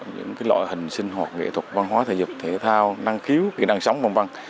những loại hình sinh hoạt nghệ thuật văn hóa thể dục thể thao năng khiếu kỹ năng sống v v